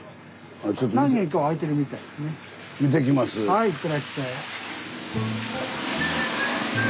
はいいってらっしゃい。